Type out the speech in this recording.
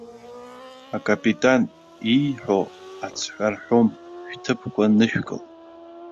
Акапитан ииҳәо ацҳәа рҳәом, шәҭыԥқәа нышәкыл!